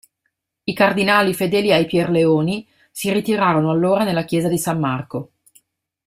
I cardinali fedeli ai Pierleoni, si ritirarono allora nella chiesa di San Marco.